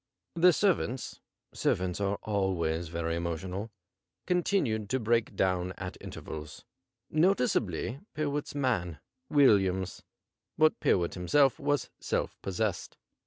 The servants (servants are always very emotional) continued to break dawn at inter vals, noticeably Pyrwhit's man, Williams, but Pyrwhit himself Avas self possessed.